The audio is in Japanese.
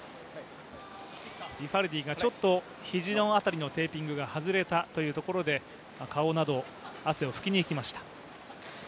リファルディがちょっと肘の辺りのテーピングが外れたというところで、顔など汗を拭きに行きました。